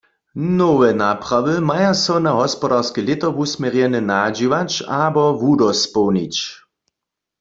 Nowe naprawy maja so na hospodarske lěto wusměrjene nadźěłać abo wudospołnić.